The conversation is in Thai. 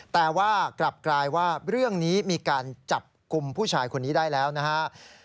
แต่ว่ากลับกลายว่าเรื่องนี้มีการจับกลุ่มผู้ชายคนนี้ได้แล้วนะครับ